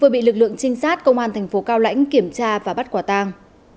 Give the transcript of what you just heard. vừa bị lực lượng trinh sát công an tp cao lãnh kiểm tra và bắt quả tang